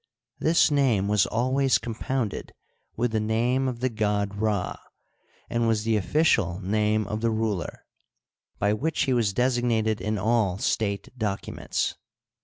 This name was always compounded with the name of the god Rd, and was the official name of the ruler, by which he was desig nated in all state documents.